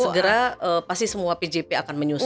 segera pasti semua pjp akan menyusun